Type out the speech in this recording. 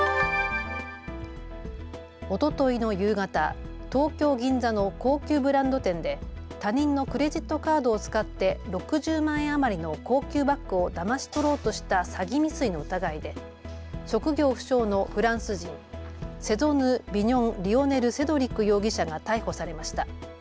おとといの夕方、東京銀座の高級ブランド店で他人のクレジットカードを使って６０万円余りの高級バッグをだまし取ろうとした詐欺未遂の疑いで職業不詳のフランス人、セゾヌビニョンリオネルセドリック容疑者が逮捕されました。